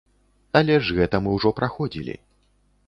Але ж гэта мы ўжо праходзілі.